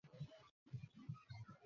আমি এই বিষয়ে ম্যাডামকে বলব না।